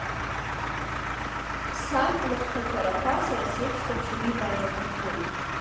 Сан лыхҭашәарақәа, сара сеиԥш, саҳәшьагьы дааиҵанарӷәӷәеит.